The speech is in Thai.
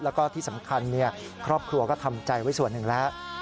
แล้วก็ที่สำคัญครอบครัวก็ทำใจไว้ส่วนหนึ่งแล้ว